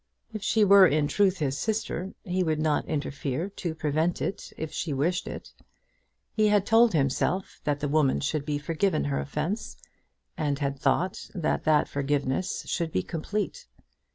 If she were in truth his sister he would not interfere to prevent it if she wished it. He had told himself that the woman should be forgiven her offence, and had thought that that forgiveness should be complete.